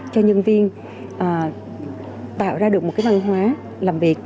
cho nhân viên tạo ra được một cái văn hóa làm việc